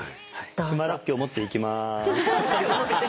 島らっきょう持って行きます。